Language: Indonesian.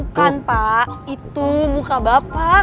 bukan pak itu muka bapak